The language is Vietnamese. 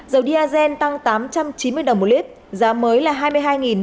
dầu diazen tăng tám trăm chín mươi đồng một lít giá mới là hai mươi hai năm trăm hai mươi đồng một lít